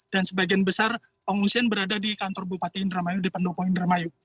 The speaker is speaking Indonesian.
dan sebagian besar pengungsian berada di kantor bupati binderamayu di pendopo binderamayu